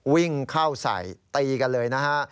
วิ่งเข้าใส่ตีกันเลยนะฮะ